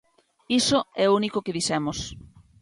Iso é o único que dixemos.